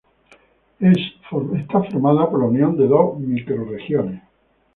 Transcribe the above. Es formada por la unión de dos microrregiones.